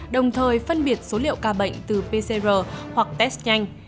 đồng thời phân biệt số liệu ca bệnh từ pcr hoặc test nhanh